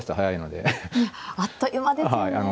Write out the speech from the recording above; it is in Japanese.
あっという間ですよね。